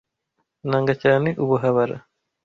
Nanga cyane ubuhabara.